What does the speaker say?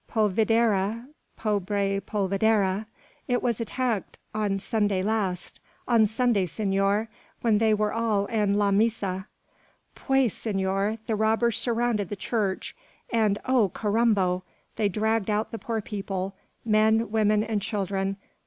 Polvidera; pobre polvidera! It was attacked on Sunday last. On Sunday, senor, when they were all en la misa. Pues, senor, the robbers surrounded the church; and oh, carambo! they dragged out the poor people men, women and children!